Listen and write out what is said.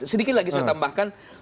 sedikit lagi saya tambahkan